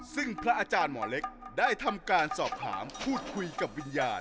ซึ่งพระอาจารย์หมอเล็กได้ทำการสอบถามพูดคุยกับวิญญาณ